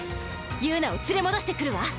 友奈を連れ戻してくるわ。